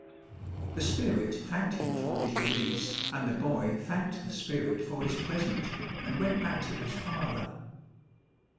The spirit thanked him for his release, and the boy thanked the spirit for his present, and went back to his father.